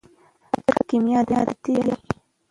قدر کېمیا دی په دې دیار کي